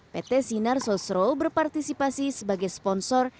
pt sinar sosro berpartisipasi sebagai sponsor